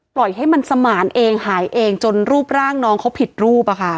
ปล่อยให้มันสมานเองหายเองจนรูปร่างน้องเขาผิดรูป